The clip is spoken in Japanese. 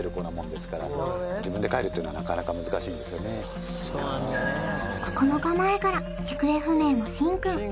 確かに９日前から行方不明のしんくん